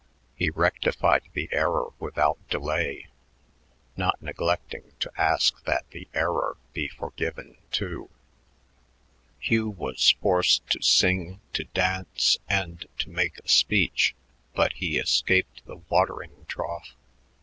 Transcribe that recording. He rectified the error without delay, not neglecting to ask that the error be forgiven, too. Hugh was forced to sing, to dance, and to make a speech, but he escaped the watering trough.